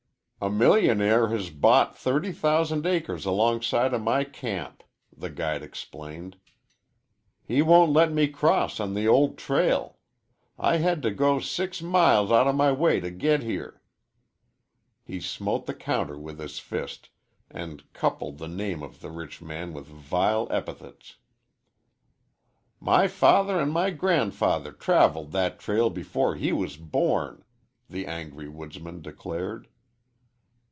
"A millionaire has bought thirty thousand acres alongside o' my camp," the guide explained. "He won't let me cross on the old trail. I had to go six mile out o' my way to git here." He smote the counter with his fist and coupled the name of the rich man with vile epithets. "My father and my grandfather travelled that trail before he was born," the angry woodsman declared.